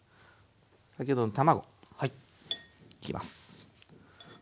先ほどの卵いきます。